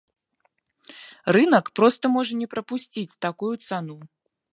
Рынак проста можа не прапусціць такую цану.